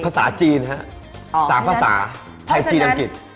ภาษาจีนฮะ๓ภาษาไทยจีนอังกฤษ